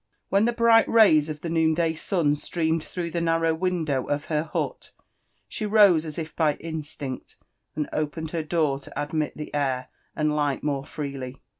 Wheft the bright rayS ef the noonday srin streamed tWoiigh ihS iwrroir window of her h»it, she fose as if by fnstlnct, aM opened hef dicmr td adnnrit the air and \\^t more freely.